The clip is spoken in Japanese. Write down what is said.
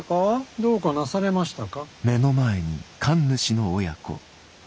どうかなされましたか？